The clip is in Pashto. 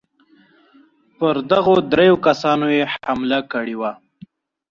پر دغو درېو کسانو یې حمله کړې وه.